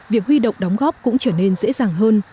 việc huy động đóng góp cũng trở nên dễ dàng hơn